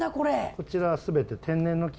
こちら全て。